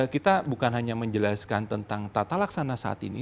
kita bukan hanya menjelaskan tentang tata laksana saat ini